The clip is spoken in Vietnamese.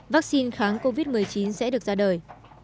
vắc xin kháng covid một mươi chín sẽ được ra đời